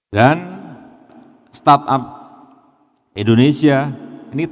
dan startup indonesia ini tertinggi ke enam di dunia